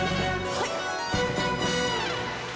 はい！